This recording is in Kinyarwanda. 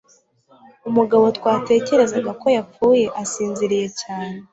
Umugabo twatekerezaga ko yapfuye asinziriye cyane